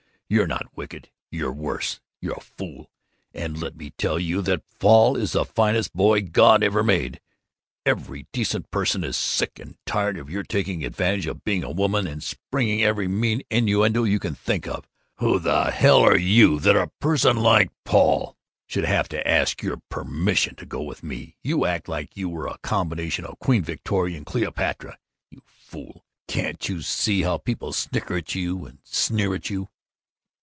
You're not wicked. You're worse. You're a fool. And let me tell you that Paul is the finest boy God ever made. Every decent person is sick and tired of your taking advantage of being a woman and springing every mean innuendo you can think of. Who the hell are you that a person like Paul should have to ask your permission to go with me? You act like you were a combination of Queen Victoria and Cleopatra. You fool, can't you see how people snicker at you, and sneer at you?"